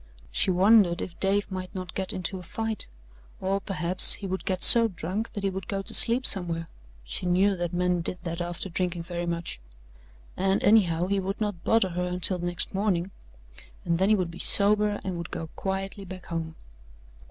She wondered if Dave might not get into a fight or, perhaps, he would get so drunk that he would go to sleep somewhere she knew that men did that after drinking very much and, anyhow, he would not bother her until next morning, and then he would be sober and would go quietly back home.